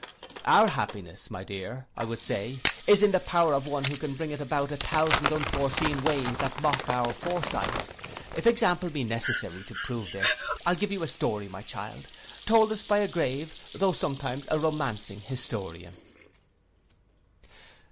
'Our happiness, my dear,' I would say, 'is in the power of one who can bring it about a thousand unforeseen ways, that mock our foresight. If example be necessary to prove this, I'll give you a story, my child, told us by a grave, tho' sometimes a romancing, historian.